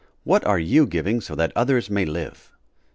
What are you giving so that others may live?